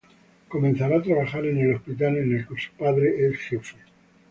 Comenzará a trabajar en el hospital en el que su padre es jefe.